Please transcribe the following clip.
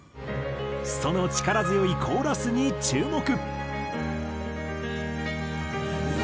その力強いコーラスに注目。